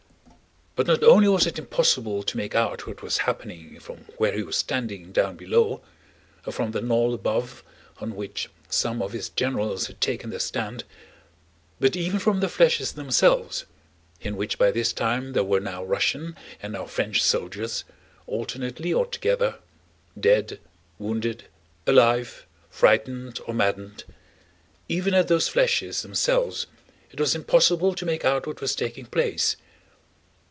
But not only was it impossible to make out what was happening from where he was standing down below, or from the knoll above on which some of his generals had taken their stand, but even from the flèches themselves—in which by this time there were now Russian and now French soldiers, alternately or together, dead, wounded, alive, frightened, or maddened—even at those flèches themselves it was impossible to make out what was taking place.